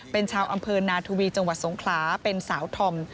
เป็นชาวอำเภอนาทวีจังหวัดสงขลาเป็นสาวธอม